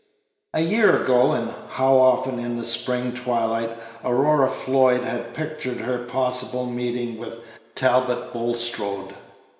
A year ago, and how often in the spring twilight Aurora Floyd had pictured her possible meeting with Talbot Bulstrode!